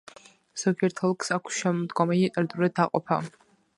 ზოგიერთ ოლქს აქვს შემდგომი ტერიტორიული დაყოფა.